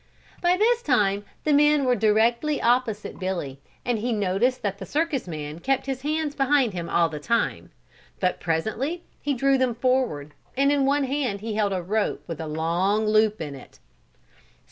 By this time the men were directly opposite Billy and he noticed that the circus man kept his hands behind him all the time, but presently he drew them forward and in one he held a rope with a long loop in it.